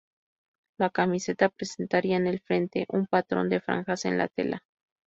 La camiseta presentaría en el frente un patrón de franjas en la tela.